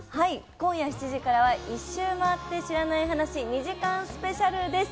今夜７時からは『１周回って知らない話』２時間スペシャルです。